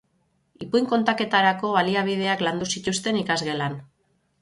Ipuin-kontaketarako baliabideak landu zituzten ikasgelan.